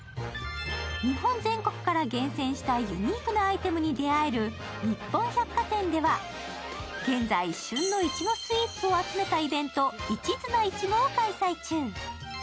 日本全国から厳選したユニークなアイテムに出会える日本百貨店では現在、旬のいちごスイーツを集めたイベント、「いちずな、いちご」を開催中。